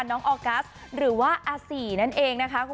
น้องออกัสหรือว่าอ้าศีนั่นเองค่ะ